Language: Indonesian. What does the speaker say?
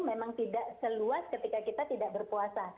memang tidak seluas ketika kita tidak berpuasa